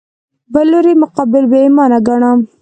بل لوري مقابل بې ایمانه ګاڼه